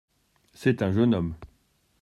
C’est un jeune homme.